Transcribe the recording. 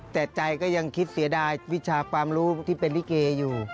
แต่ใจก็ยังคิดเสียดายวิชาความรู้ที่เป็นลิเกอยู่